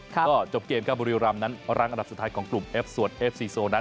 ก็จบเกมกับบุรีรัมป์นั้นรั้งอันดับสุดท้ายของกลุ่มเอฟซีโซ